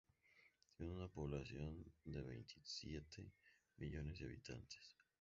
Tiene una población de veintisiete millones de habitantes.